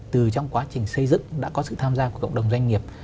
từ trong quá trình xây dựng đã có sự tham gia của cộng đồng doanh nghiệp